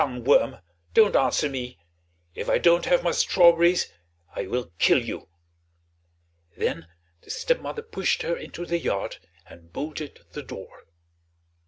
"Hold your tongue, worm; don't answer me; if I don't have my strawberries I will kill you." Then the stepmother pushed her into the yard and bolted the door.